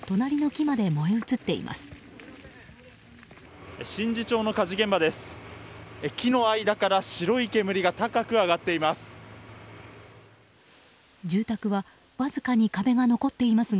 木の間から白い煙が高く上がっています。